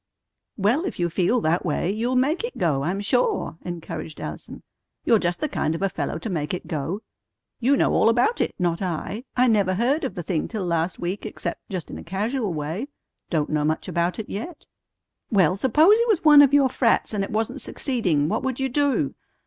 "Well, if you feel that way, you'll make it go, I'm sure," encouraged Allison. "You're just the kind of a fellow to make it go. You know all about it. Not I. I never heard of the thing till last week, except just in a casual way. Don't know much about it yet." "Well, s'pose it was one of your frats, and it wasn't succeeding. What would you do?